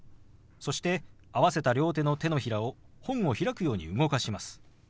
そして合わせた両手の手のひらを本を開くように動かします。